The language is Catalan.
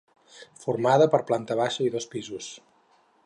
Formada per planta baixa i dos pisos.